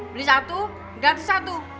beli satu gratis satu